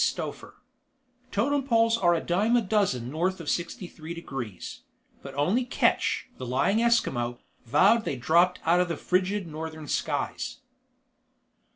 STOPHER _Totem poles are a dime a dozen north of 63° ... but only Ketch, the lying Eskimo, vowed they dropped out of frigid northern skies.